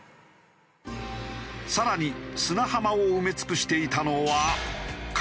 更に砂浜を埋め尽くしていたのは。